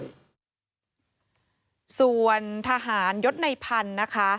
ส่วนทหารยศในพันธุ์นะคะ